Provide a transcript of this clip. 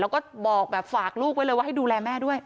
แล้วก็บอกแบบฝากลูกไว้เลยว่าให้ดูแลแม่ด้วย